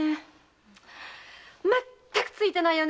全くツイてないよね。